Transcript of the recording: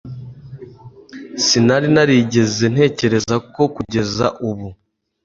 sinari narigeze ntekereza ko kugeza ubu